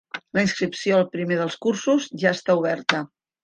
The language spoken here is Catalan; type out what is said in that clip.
La inscripció al primer dels cursos ja està oberta.